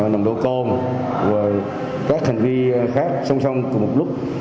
nồng độ cồn và các hành vi khác song song cùng một lúc